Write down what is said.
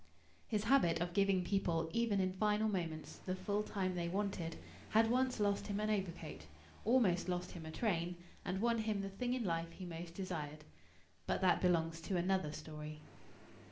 His habit of giving people, even in final moments, the full time they wanted, had once lost him an overcoat, almost lost him a train, and won him the thing in life he most desired. But that belongs to another story.